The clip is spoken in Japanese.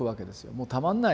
もうたまんない。